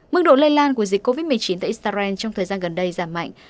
mức độ lây lan của dịch covid một mươi chín tại israel trong thời gian gần đây giảm mạnh